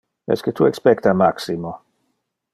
Esque tu expecta Maximo?